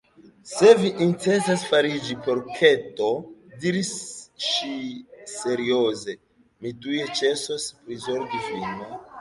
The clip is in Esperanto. "Se vi intencas fariĝi porketo," diris ŝi serioze, "mi tuj ĉesos prizorgi vin!"